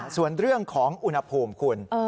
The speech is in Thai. ส่วนเรื่องของอุณหภูมิคุณ